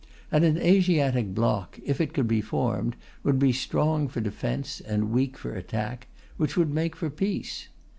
And an Asiatic block, if it could be formed, would be strong for defence and weak for attack, which would make for peace.